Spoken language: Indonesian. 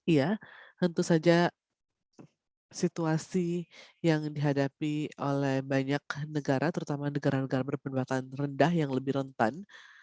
iya tentu saja situasi yang dihadapi oleh banyak negara terutama negara negara berpendapatan rendah yang lebih rentan